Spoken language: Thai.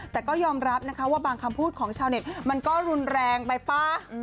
แต่ก็ยอมรับนะคะว่าบางคำพูดของชาวเน็ตมันก็รุนแรงไปป่ะ